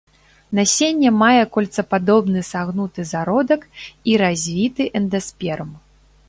Насенне мае кольцападобны сагнуты зародак і развіты эндасперм.